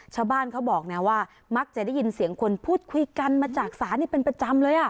ชาวบ้านเขาบอกนะว่ามักจะได้ยินเสียงคนพูดคุยกันมาจากศาลนี่เป็นประจำเลย